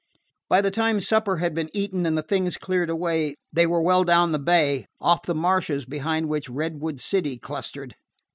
By the time supper had been eaten and the things cleared away, they were well down the bay, off the marshes behind which Redwood City clustered.